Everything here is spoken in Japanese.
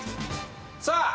さあ